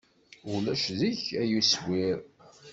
Ulac deg-k ay aswir.